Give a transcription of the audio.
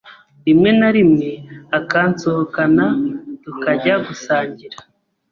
rimwe na rimwe akansohokana tukajya gusangira,